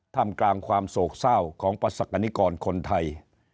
ทำกลางความโศกเศร้าของประสักกรณิกรคนไทย